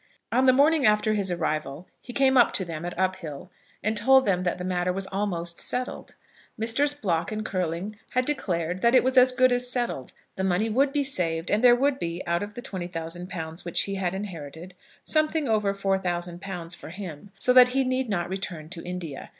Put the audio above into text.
On the morning after his arrival he came up to them at Uphill, and told them that the matter was almost settled. Messrs. Block and Curling had declared that it was as good as settled; the money would be saved, and there would be, out of the £20,000 which he had inherited, something over £4000 for him; so that he need not return to India.